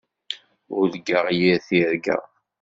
Ur urgaɣ yir tirga.